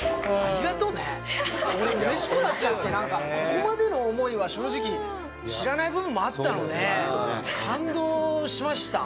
ここまでの思いは正直知らない部分もあったので感動しました。